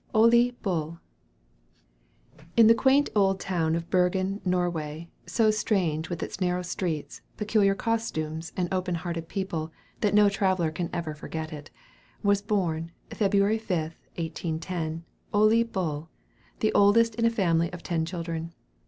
OLE BULL. In the quaint old town of Bergen, Norway, so strange with its narrow streets, peculiar costumes, and open hearted people, that no traveller can ever forget it, was born, Feb. 5, 1810, Ole Bull, the oldest in a family of ten children.